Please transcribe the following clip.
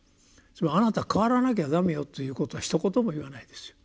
つまり「あなた変わらなきゃ駄目よ」ということはひと言も言わないですよ。